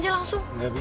jalan terus nih boy